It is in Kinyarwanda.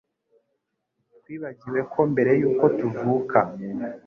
Twibagiwe ko mbere yuko tuvuka